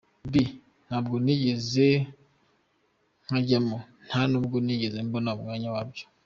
B: Ntabwo nigeze nkajyamo, nta n’ubwo nigeze mbona umwanya wabyo.